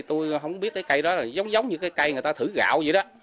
tôi không biết cái cây đó là giống giống như cái cây người ta thử gạo vậy đó